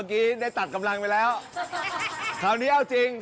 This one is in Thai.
ก็ต้องมีรองด้วยจริง